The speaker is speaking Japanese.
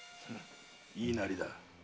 言いなりだ。